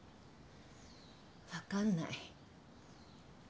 わかんない。